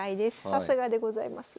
さすがでございます。